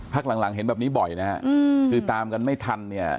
หลังหลังเห็นแบบนี้บ่อยนะฮะคือตามกันไม่ทันเนี่ย